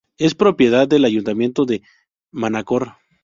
Es propiedad del ayuntamiento de Manacor.